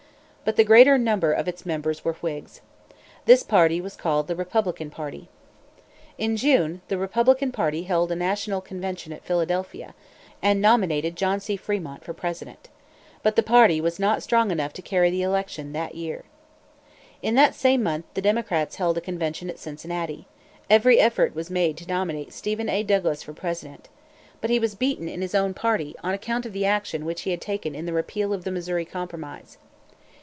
But the greater number of its members were Whigs. This new party was called The Republican Party. In June, the Republican Party held a national convention at Philadelphia, and nominated John C. Frémont for President. But the party was not strong enough to carry the election that year. In that same month the Democrats held a convention at Cincinnati. Every effort was made to nominate Stephen A. Douglas for President. But he was beaten in his own party, on account of the action which he had taken in the repeal of the Missouri Compromise.